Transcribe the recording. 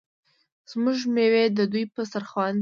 زموږ میوې د دوی په دسترخان دي.